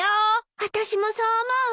あたしもそう思うわ。